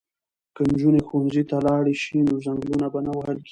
که نجونې ښوونځي ته لاړې شي نو ځنګلونه به نه وهل کیږي.